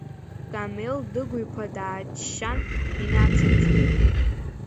Камел Дыгә-иԥа дааччан инациҵеит…